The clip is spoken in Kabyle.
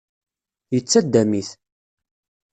Yettaddam-it.